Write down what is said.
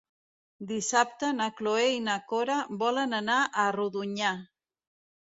Dissabte na Cloè i na Cora volen anar a Rodonyà.